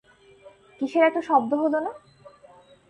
কীসের একটা শব্দ হলো না?